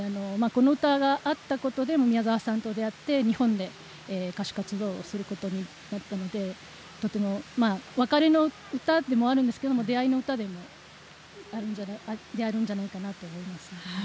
この歌があったことで宮沢さんと出会って日本で歌手活動をすることになったので別れの歌でもあるんですけど出会いの歌でもあるんじゃないかなと思います。